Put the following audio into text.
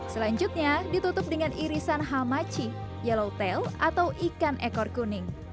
selanjutnya ditutup dengan irisan hamachi yellow tail atau ikan ekor kuning